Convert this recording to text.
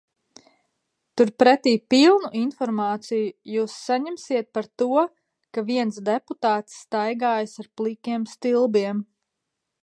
Turpretī pilnu informāciju jūs saņemsiet par to, ka viens deputāts staigājis ar plikiem stilbiem.